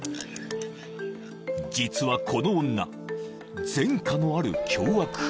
［実はこの女前科のある凶悪犯］